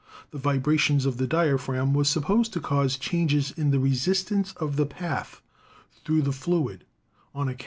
The vi bration of the diaphragm was supposed to cause changes in the resistance of the path through the fluid on account Fig.